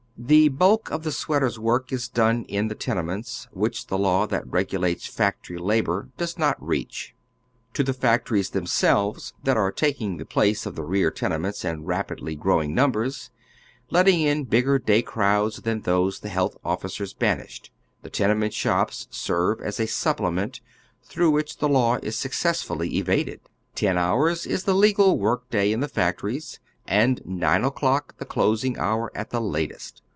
The bulk of the sweater's work is done in the tenements, which the law that regulates factory labor does not reach. To tlie factories themselvestliat are talcing the place of the rear tenements in rapidly gi owing numbers, letting in bigger day crowds than those the health officers banished, the tenement shops serve as a supplement through which the law is successfully evaded. Ten hours is the legal work day in the factories, and nine o'clock the closing hour at the latest.